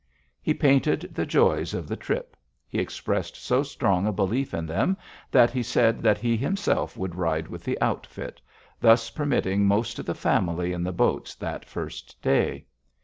He painted the joys of the trip. He expressed so strong a belief in them that he said that he himself would ride with the outfit, thus permitting most of the Family in the boats that first day.